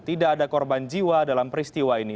tidak ada korban jiwa dalam peristiwa ini